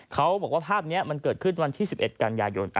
เขาบอกว่าภาพนี้มันเกิดขึ้นวันที่๑๑กันยายน